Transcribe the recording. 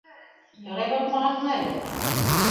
Ярай, батмағанһың әле.